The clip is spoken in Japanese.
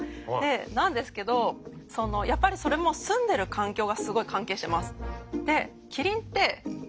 なんですけどやっぱりそれも住んでる環境がすごい関係してます。